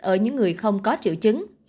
ở những người không có triệu chứng